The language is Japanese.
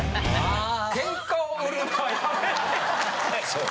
そう。